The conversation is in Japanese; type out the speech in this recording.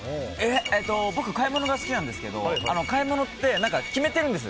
僕、買い物が好きなんですけど買い物って決めているんですよ